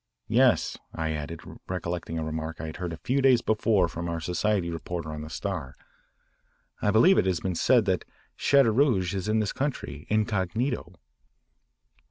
"Yes," I added, recollecting a remark I had heard a few days before from our society reporter on the Star, "I believe it has been said that Chateaurouge is in this country, incognito."